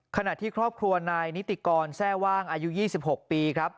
ขณะที่ครอบครัวนายนิติกรแทร่ว่างอายุ๒๖ปีครับ